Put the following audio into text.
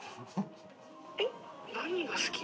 「えっ何が好き？」